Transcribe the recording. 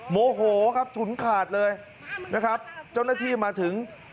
โมโหครับฉุนขาดเลยนะครับเจ้าหน้าที่มาถึง